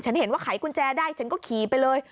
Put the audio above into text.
เห็นว่าไขกุญแจได้ฉันก็ขี่ไปเลย